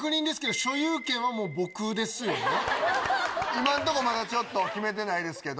今んとこまだ決めてないですけど。